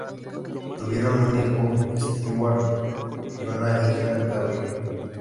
Tuvieron un hijo, Stewart, y una hija, Gabrielle.